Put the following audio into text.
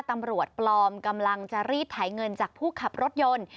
ตำรวจปลอมกำลังจะรีดไถเงินจากผู้ขับรถยนต์